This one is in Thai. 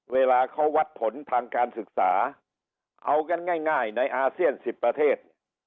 เวลาเขาวัดผลทางการศึกษาเอากันง่ายในอาเซียน๑๐ประเทศ